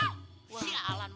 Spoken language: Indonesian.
banyak boleh kasih sekaliah lo